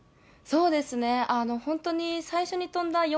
そうですね、本当に最初に跳んだ